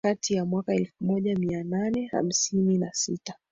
kati ya mwaka elfu moja mia nane hamsini na sita